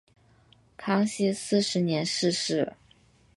康熙四十年逝世。